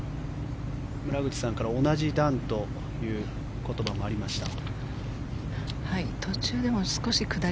村口さんから同じ段という言葉もありました。